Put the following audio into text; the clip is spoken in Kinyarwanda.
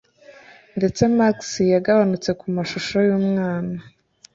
Ndetse Max yagabanutse kumashusho yumwana